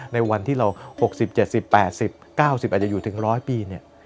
ในวันที่เราหกสิบเจ็ดสิบแปดสิบเก้าสิบอาจจะอยู่ถึงร้อยปีเนี่ย